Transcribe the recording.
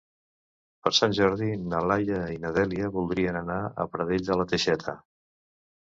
Per Sant Jordi na Laia i na Dèlia voldrien anar a Pradell de la Teixeta.